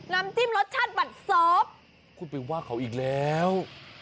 น้ำจิ้มรสชาติบัดซอฟคุณไปว่าเขาอีกแล้ว